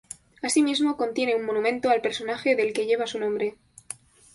Asimismo, contiene un monumento al personaje del que lleva su nombre.